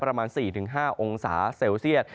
ประมาณ๔๕องศาเซลเซียต